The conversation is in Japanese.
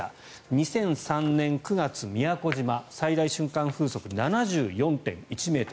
２００３年９月宮古島、最大瞬間風速７４．１ｍ。